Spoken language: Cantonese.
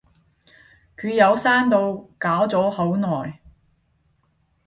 佢有刪到，搞咗好耐